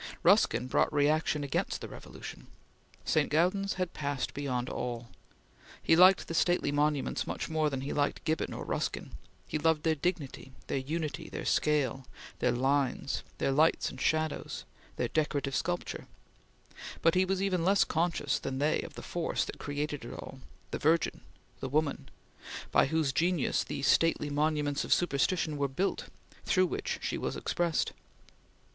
Ruskin brought reaction against the Revolution. St. Gaudens had passed beyond all. He liked the stately monuments much more than he liked Gibbon or Ruskin; he loved their dignity; their unity; their scale; their lines; their lights and shadows; their decorative sculpture; but he was even less conscious than they of the force that created it all the Virgin, the Woman by whose genius "the stately monuments of superstition" were built, through which she was expressed.